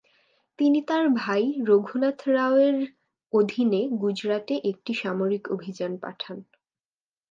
তিনি তার ভাই রঘুনাথ রাও-এর অধীনে গুজরাটে একটি সামরিক অভিযান পাঠান।